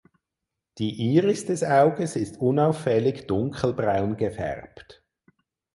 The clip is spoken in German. Die Iris des Auges ist unauffällig dunkelbraun gefärbt.